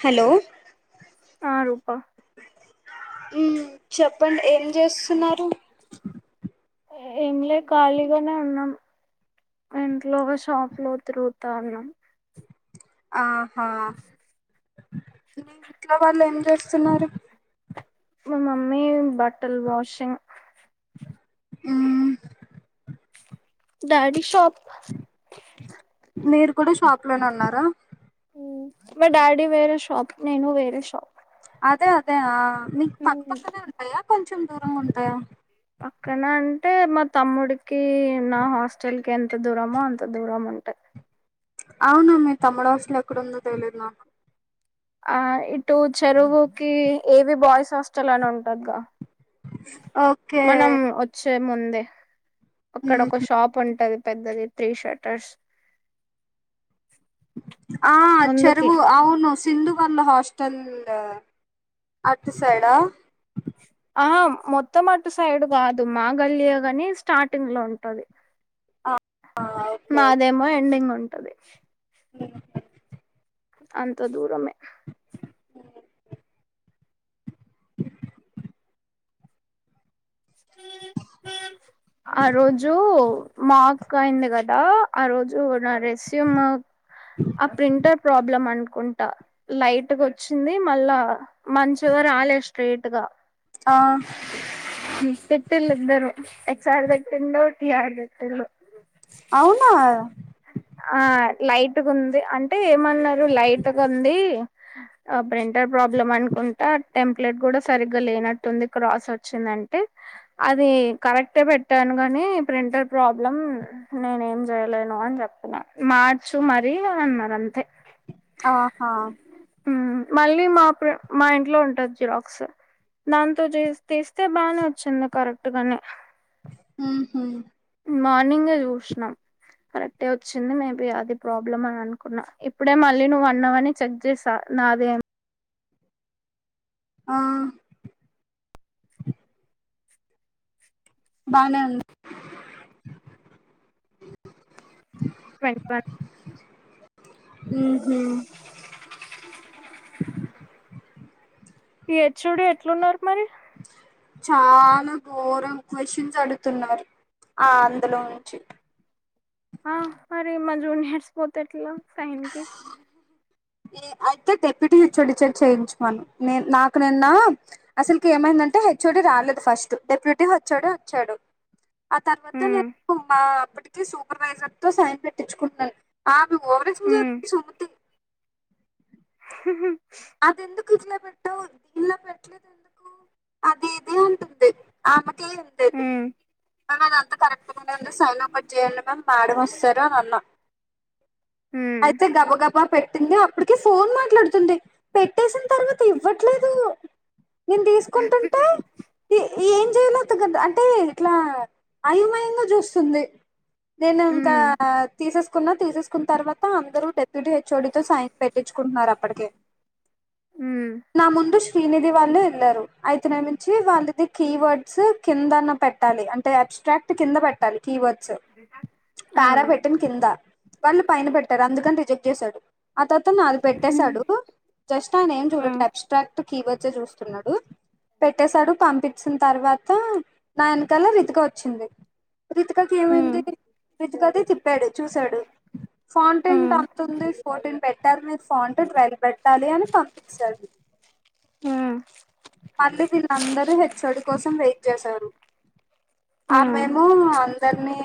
Hello ఆ రూపా మ్ చెప్పండి ఏం చేస్తున్నారు ఏంలే ఖాళీగానే ఉన్నాం ఇంట్లో షాప్ లో తిరుగుతా ఉన్నాం ఆ హా మీ ఇంట్లో వాళ్ళు ఏం చేస్తున్నారు మా మమ్మీ బట్టల్ వాషింగ్ మ్ బాడి షాప్ మీరు కూడా షాప్ లోనే ఉన్నారా మా డాడీ వేరే షాప్ నేను వేరేషాప్ అదే అదే ఆ మీకు పక్కపక్కనే ఉంటాయా కొంచెం దూరంగా ఉంటాయా పక్కన అంటే మా తమ్ముడికి నా హాస్టల్ కి ఎంత దూరమో అంత దూరం ఉంటె అవును మీ తమ్ముడు హాస్టల్ ఎక్కడుందో తెలియదు నాకు ఆ ఇటు చెరువుకి ఏది బాయ్స్ హాస్టల్ అని ఉంటదిగా ఓకే మనం వచ్చే ముందే అక్కడ మ్మ్ ఒక షాప్ ఉంటది పెద్దది త్రీ షర్టర్స్ ఆ చెరువు అవును సింధు వాళ్ళ హాస్టల్ అట్ సైడా ఆ మొత్త మటు సైడ్ కాదు మా గల్లి ఏ గని స్టార్టింగ్ లో ఉంటది ఆ ఆ ఓకే ఓకే మాదేమో ఎండింగ్ ఉంటది [inaudible] అంత దూరమే ఆ రోజు మార్క్ అయింది కదా ఆ రోజు నా రెస్యుము ఆ ప్రింటర్ ప్రాబ్లం అనుకుంటా లైట్గా వచ్చింది మళ్ళా మంచిగ రాలే స్ట్రేట్గా ఆ తిట్టిలందరు హెచ్ ఆర్ దగ్గర్నో టి ఆర్ దగ్గర్నో ఆర్ దట్టిలు అవునా ఆ లైట్ టుగుంది అంటే ఏమన్నరు లైట్గా ఉంది ప్రింటర్ ప్రాబ్లం అనుకుంటా టెంప్లెట్ కూడా సరిగా లేనట్టుంది క్రాస్ వచ్చిందంటే అది కరెక్ట్ పెట్ట కాను గాని ప్రింటర్ ప్రాబ్లం నేను ఏం చేయలేను అని చెప్పిన మార్చ్ నువ్ మరీ వార్ అన్నారు అంతే ఆహా ఊ మళ్ళీ మా ప్ర మా ఇంట్లో ఉంటది జిరాక్స్ దాంతో చేస్తే తీస్తే బాగానే వచ్చింది కరెక్ట్ గానే ఊహు మార్నింగ్ ఏ చుష్ నా కరెక్టే వచ్చింది మే బి అది ప్రాబ్లమ్ అని అనుకున్నా ఇప్పుడే మళ్ళీ నువ్వు అన్నావ్ అని చెక్ చేసా నాదే అని ఆ బానే ఉంది ట్వంటీ వన్ ఊహు హేజ్ ఓ డీ ఎట్లున్నరు మరి చాలా గోరం క్వషన్స్ అడుగుతున్నారు ఆ అందులో నుంచి ఆ మరి మా జూనియర్స్ పోతే ఎట్లా టైమ్ కి ఏ అయితే డెప్యూటీ హెచ్ఓడి చ చెక్ చేయించమను నే నాకు నిన్న అసలుకి ఏమైందంటే హెచ్ఓడి రాలేదు ఫస్ట్ డెప్యూటీ హేజ్ఓడి వచ్చాడు ఆ తర్వాత ఉమ్, నేను మా అప్పటికి సూపర్వైజర్ తో సైన్ పెట్టించుకున్నాను ఆ ఓవరాక్షన్ చెస్ ఉమ్, స్వాతి అది ఎందుకు ఇట్లా పెట్టవు ఇలా పెట్టలేదు ఎందుకు అది ఇది అంటుంది ఆమె ఉమ్, [unintelligible] అంత కరెక్ట్ గానే సైన్ ఔట్ చేయండి మమ్ మేడమ్ వస్తారు అని అన్న ఉమ్, అయితే గబ గబా పెట్టింది అప్పటికి ఫోన్ మాట్లాడుతుంది పెట్టేసిన తర్వాత ఇవ్వట్లేదు నేను తీసుకుంటుంటే తీ ఏం చేయలో తగద్ అంటే ఇట్లా అయో మయంగా చూస్తుంది నేను ఇంకా ఉమ్, తీసేస్ కున్నా తీసేసుకున్న తర్వాత అందరూ డెప్యూటీ హెచ్ఓడి తో సైన్ పెట్టించుకుంటున్నారు అప్పటికే ఉమ్, నా ముందు శ్రీనిధి వాళ్ళు వెళ్లారు అయితే నా [unintelligible] వాళ్ళది కీవర్డ్స్ కింద అన్న పెట్టాలి అంటే అబ్స్ట్రాక్ట్ కింద పెట్టాలి కీవర్డ్స్ పారా అవును పెట్టింది కింద వాళ్ళు పైన పెట్టారు అందుకని రిజెక్ట్ చేసాడు ఆ తర్వాత నాది ఉమ్, పెట్టేశాడు జస్ట్ ఆయన ఏం చూడట్ ఉమ్, లేదు అబ్స్ట్రాక్ట్ కీవర్డ్స్ చూస్తున్నాడు పెట్టేసాడు పంపించిన తర్వాత నా యనకాల రితిక వచ్చింది రితికాకి ఉమ్, ఏమైంది రితికాది తిప్పాడు చూశాడు ఫాంట్ టెంట్ ఉమ్, అంత ఉంది ఫోర్టీన్ పెట్టారు మీరు ఫాంట్ వెల్వేట్ పెట్టాలి అని పంపింసాడు హ్మ్ మళ్ళీ వీళ్ళందరూ హేచ్ ఓ డీ కోసం వెయిట్ చేశారు ఆ ఉమ్, మేము అందర్నీ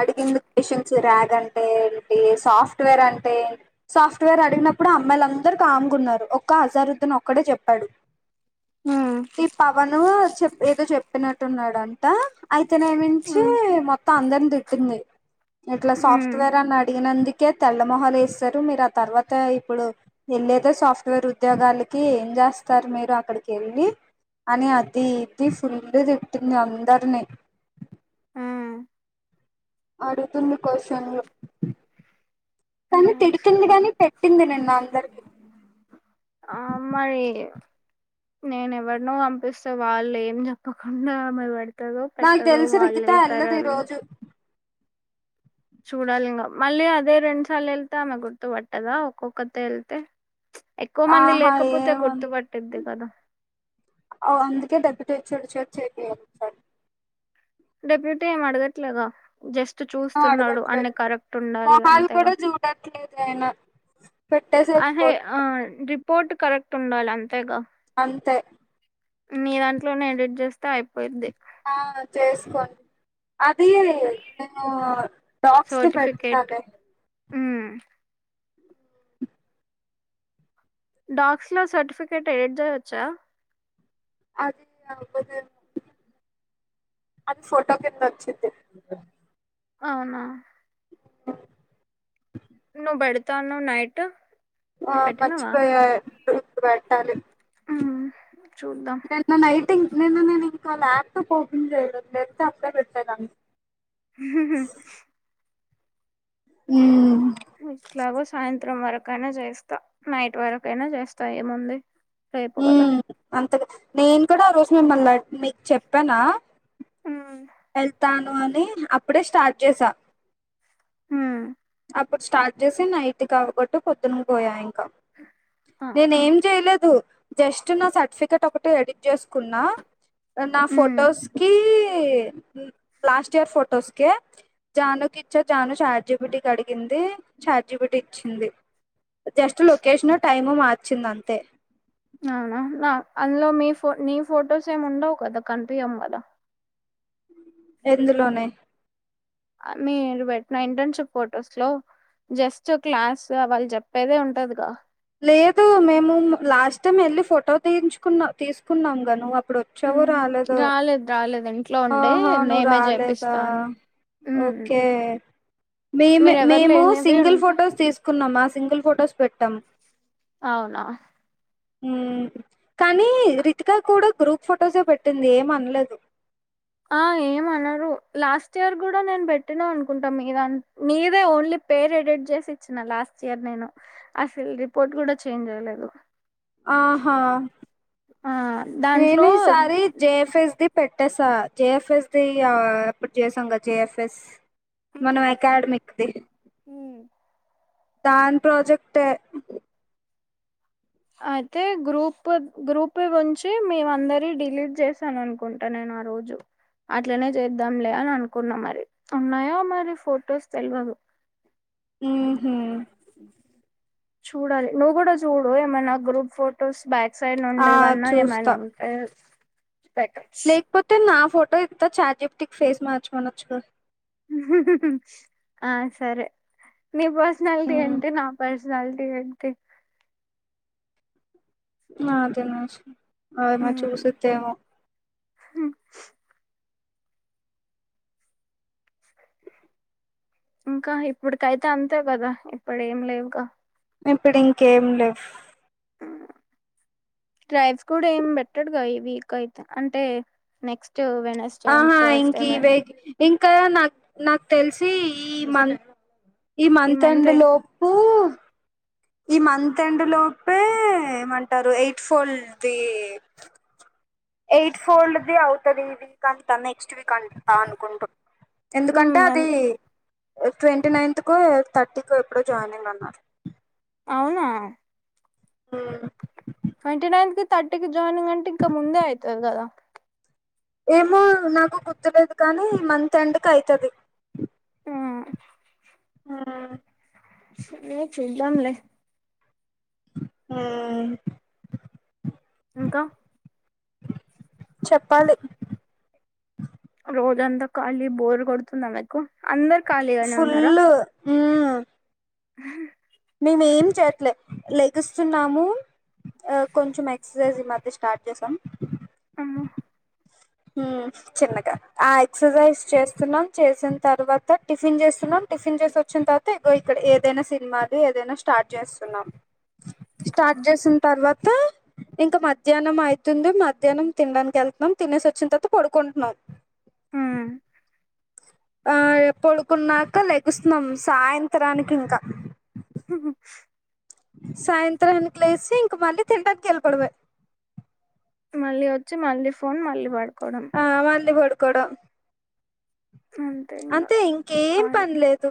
అడిగింది మెషిన్స్ ర్యాగ్ అంటే ఏంటి సాఫ్ట్వేర్ అంటే సాఫ్ట్వేర్ అడిగినప్పుడు అమ్మాయిలు అందరు కామ్గా ఉన్నారు ఒక్క హజారుద్దన్ ఒక్కడే చెప్పాడు ఉమ్, ఈ పవను చె ఏదో చెప్పినట్టు ఉన్నాడంటా అయి తినగమించి ఉమ్, మొత్తం అందరిని తిట్టింది ఇట్లా ఉమ్, సాఫ్ట్వేర్ అని అడిగినంది కే తెల్ల మొహల్ వేస్తారు మీరు ఆ తర్వాత ఇప్పుడు వెళ్లేదే సాఫ్ట్వేర్ ఉద్యోగాల కి జస్త అర్ మీర్ ర అక్కడికి వెళ్ళి అని అది ఇది ఫుల్ తిట్టింది అందరినీ ఆ ఆడుగుతుంది క్వస్షన్లు కానీ తిడుతుంది గానీ పెట్టింది నిన్న అందరికి ఆ మరి నేను ఎవరినో పంపిస్తే వాళ్ళు ఏం చెప్పకుండా మరి పడి పెట్టదో నాకు పెట్టదో తెలిసి వాళ్ళ రిగిత ఏళ్తారు వెళ్ళదు ఈ వాళ్ళు రోజు చూడాలి ఇంగ మళ్ళీ అదే రెండు సార్లు వెళ్తే ఆమె గుర్తు పట్టదా ఒక్కొక్కతే వెళ్తే ఎక్కువ మంది ఆహా లేకపోతే ఏం ఉం గుర్తుపట్టిద్ది కదా అవ్ అందుకే డెబటి చూడ్ చూడ్ చేపియాలి ఒకసారి డెప్యూటీ ఏమి అడగట్లేగా జస్ట్ ఏమో చూస్తున్నాడు అన్ని అడగట్లేదు కరెక్ట్ ఉండాలి అంతేగా తేనా అహే ఆ రిపోర్ట్ కరెక్ట్ ఉండాలి అంతేగా అంతే మీ దాంట్లోనే ఎడిట్ చేస్తే అయిపోయిది ఆ చేసుకోం అద నేను డాక్స్ ది పెడతాలె హ్మ్ డాక్స్ లో సర్టిఫికేట్ ఎడిట్ చెయ్యచ్చా అదే [unintelligible] అది ఫోటో కింద వచ్చిది అవునా నువ్వు పెడతా అన్నావ్ నైట్ ఆ పెట్టినవా మర్చిపోయా ఇప్పుడు ఇప్పుడు పెట్టాలి చూద్దాం నిన్న నైటింగ్ నిన్న నేను ఇంకా ఆ ల్యాప్టాప్ ఓపెన్ చేయలేదు లేకపోతే అప్పుడే పెట్టెదాన్ని హ్మ్ ఇట్లాగో సాయంత్రం వరకైయినా చేస్తా నైట్ వరకయినా చేస్తా ఏముంది రేపు పోతా ఉమ్ అంతగా నేను కూడా ఆ రోజు మిమ్మల్ని [unintelligible] మీక్ చెప్పానా వెళ్తాన్ అని అప్పుడే స్టార్ట్ చేసా ఉహ అప్పుడు స్టార్ట్ చేసి నైట్ కాకాపోట్టు పొద్దున పోయాయి నేను అవునా ఏం చేయలేదు జస్ట్ నా సర్టిఫికెట్ ఒకటి ఎడిట్ చేసుకున్నా నా ఫొటోస్ కి లాస్ట్ ఇయర్ ఫోటోస్ కే జాను కిచ్చ జాను ఆడ్ జేప్ బటిక అడిగింది ఛార్జి పి టి ఇచ్చింది జస్ట్ లొకేషన్ టైము మార్చింద అంతే అవునా నా అందులో మీ ఫో మీ ఫొటోస్ ఏమి ఉండవు కదా కంపియం కదా ఎందులోనే మీరు పెట్టిన ఇంటర్న్షిప్ ఫోటోస్ లో జస్ట్ క్లాస్ వాళ్ళు చెప్పేదే ఉంటదిగా లేదు మేము లాస్ట్ టైం వెళ్ళి ఫోటో తీన్చుకున్న తీసుకున్నాం గా నువ్వు ఇప్పుడు వచ్చావో మ్మ్. రాలేదు రాలేదు ఇంట్లో ఉండే ఆహా నువ్వు మేమే రాలేదా చేపిస్తాను మ్మ్. ఓకే మేము మీరెవరు మేము లేనివి సింగిల్ ఉంటే ఫొటోస్ తీసుకున్నామా సింగిల్ ఫొటోస్ పెట్టాం అవునా కానీ రితికా కూడా గ్రూప్ ఫొటోసే పెట్టింది ఏం అనలేదు ఆ ఏమనరు లాస్ట్ ఇయర్ కూడా నేను పెట్టినా అనుకుంటాం మీద నీదే ఓన్లీ పేరు ఎడిట్ చేసి ఇచ్చిన లాస్ట్ ఇయర్ నేను అసలు రిపోర్ట్ కూడా చేంజ్ జేయలేదు ఆహా ఆ దాంట్లో నేనీ సారి జే ఫ్ ఎస్ పెట్ట ట్టేస జేఎఫ్ఎస్ ది ఎప్పుడు చేసా క జెఎఫ్ఎస్ మన ఉమ్, అకాడమిక్ ది ఉమ్. దాన్ ప్రాజెక్టే అయితే గ్రూప్ గ్రూప్ గురించి మేము అందరి డిలీట్ చేసాను అనుకుంటా నేను ఆ రోజు అట్లనే చేద్దాంలే అని అనుకున్నా మరి ఉన్నాయో మరి ఫొటోస్ తెలియదు ఉ హు చూడాలి నువ్వు కూడా చూడు ఏమైనా గ్రూప్ ఫొటోస్ బ్యాక్ సైడ్ ఆ నుండి ఎమన్నా చూస్తా ఏమైనా ఉంటే పెట్టచ్చు లేకపోతే నా ఫోటో ఇత్త చార్ట్ జిపిటి ఫేస్ మార్చమనొచ్చు కదా ఆ సరే నీ పర్సనాలిటీ ఉమ్ అంటే నా పర్స న తీ అడితే నా అదేనా అ మా చూసిద్దేమో హ ఇంకా ఇప్పుటికైతే అంతే కదా ఇప్పుడు ఏం లేవుగా ఇప్పుడు ఇంకేం లేవు డ్రైవ్స్ కూడా ఏం పెట్టడుగా ఈ వీక్ అయితే అంటే నెక్స్ట్ వెనస్డే అండ్ ఆహా ఇంక థర్స్డే ఇవే వరకు ఇంకా నాక్ నాక్ తెలిసి ఈ మంత్ ఈ మంతెండ్ లోపు ఈ మంతంత్ ఎండ్ లోపే ఏమంటారు ఎయిట్ ఫోల్ది ఎయిట్ ఫోల్డ్ది అవుతది ఈ వీక్ అంత నెక్స్ట్ వీక్ అంత అనుకుంటు ఎందుకంటే ఉమ్ అది ట్వంటీ నైన్త్ కో ఎయిట్ థర్టీకో ఎప్పుడో జాయినింగ్ అన్నారు అవునా ఆ ట్వంటీ నైన్త్ కి థర్టీ క జాయినింగ్ అంటే ఇంకా ముందే ఐతది గదా ఏమో నాకు గుర్తులేదు కానీ మంత్ ఎండ్ కి ఐతది ఉ ఆ ఏ చూద్దాం లే ఊ ఇంకా చెప్పాలి రోజంతా ఖాళీ బోర్ కొడుతుంద మీకు అందరు ఖాళీగానే ఉన్నారా హూ [inaudible] మేము ఏం చేయట్లే లెగుస్తున్నాము కొంచెం ఎక్ససైజ్ మాత్ర తే స్టార్ట్ చేసాం ఉమ్ [inaudible] ఊ చిన్నగా ఆ ఎక్సర్సైజ్ చేస్తున్నాం చేసిన తర్వాత టిఫిన్ చేస్తున్నాం టిఫిన్ చేసి వచ్చిన తర్వాత ఇక్కడ ఏదైనా సినిమాది ఏదైనా స్టార్ట్ చేస్తున్నాం స్టార్ట్ చేసిన తర్వాత ఇంకా మధ్యాహ్నం అయతుంది మధ్యాహ్నం తినడానికి వెళ్తున్నాం తినేసి వచ్చిన తర్వాత పడుకుంటున్నాం ఉమ్ ఆ పడుకున్నాక లెగుస్తున్నాం సాయంత్రానికి ఇంకా ఉహు సాయంత్రానికి లేసి ఇంక మళ్ళీ తినడానికి వెళ్ళి పోవడమే మళ్ళీ వచ్చి మళ్ళీ ఫోన్ మళ్ళీ పడు ఆ మళ్ళీ పడుకోవడం అంతే ఇంగా అంటే ఇంకేం ఖాళీ పనిలేదు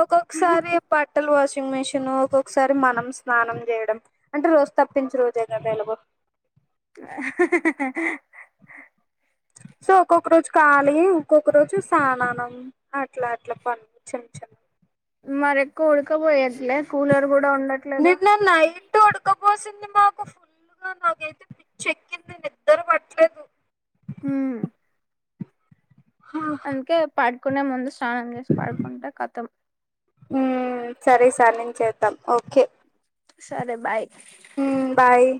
ఒక్కొక్కసారి బట్టలు వాష్ మిషన్ ఒక్కొక్కసారి మనం స్నానం చేయడం అంటే రోజు తప్పించి రోజే కదా ఎలగో సో ఒక్కొక్క రోజు కాలి ఇంక్కొక్క రోజు సానానం అట్లా అట్లా పంచామ్ ఛా మరి ఎక్కువ ఉడక పోయట్లే కూలర్ కూడా ఉండట్లేదు నిన్న ఉన్నాయి ఉడకపోసింది మాకు ఫుల్ గా నాకైతే పిచ్చ ఎక్కింది నిద్ర పట్టు ట్లేదు ఊ అందుకే పాడుకునే ముందు స్నానం చేసి పాడుకుంటే కతం ఉ సరే ఈ సారీ నుంచీ చేద్దాం ఓకే సరే బాయ్ బాయ్